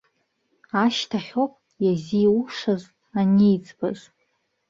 Ашьҭахьоуп иазиушаз аниӡбаз.